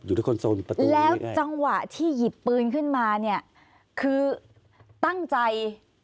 อยู่แล้วจังหวะที่หยิบปืนขึ้นมานี่คือตั้งใจ